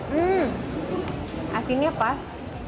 hmm asinnya pas